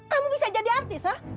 kamu bisa jadi artis